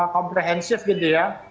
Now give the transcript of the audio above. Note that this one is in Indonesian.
komprehensif gitu ya